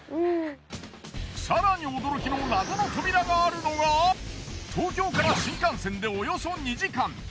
更に驚きの謎の扉があるのが東京から新幹線でおよそ２時間。